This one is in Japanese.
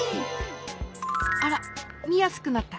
あらみやすくなった。